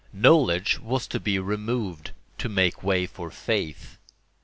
Knowledge was to be removed to make way for faith.